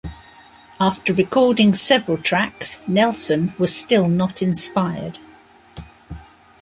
After recording several tracks, Nelson was still not inspired.